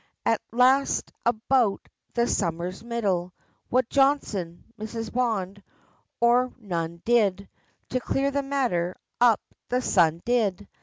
At last about the summer's middle, What Johnson, Mrs. Bond, or none did, To clear the matter up the Sun did!